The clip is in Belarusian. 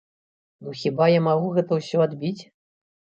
Ну хіба я магу гэта ўсё адбіць?